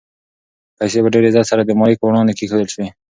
پیسې په ډېر عزت سره د مالک په وړاندې کېښودل شوې.